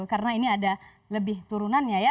karena ini ada lebih turunannya